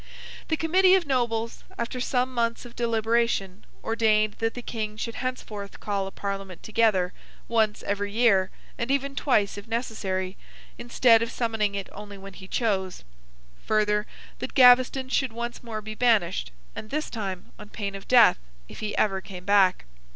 The committee of Nobles, after some months of deliberation, ordained that the King should henceforth call a Parliament together, once every year, and even twice if necessary, instead of summoning it only when he chose. Further, that Gaveston should once more be banished, and, this time, on pain of death if he ever came back.